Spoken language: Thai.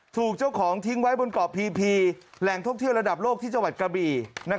ถูกเจ้าของทิ้งไว้บนเกาะพีแหล่งท่องเที่ยวระดับโลกที่จังหวัดกระบี่